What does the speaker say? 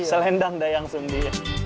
selendang dayang sumbi